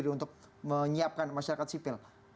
untuk menyiapkan masyarakat sipil